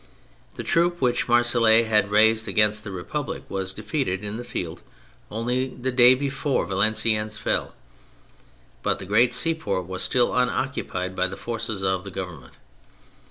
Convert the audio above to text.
The troop which Marseilles had raised against the Republic was defeated in the field only the day before Valenciennes fell, but the great seaport was still unoccupied by the forces of the Govern ment.